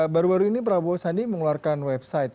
baru baru ini prabowo sandi mengeluarkan website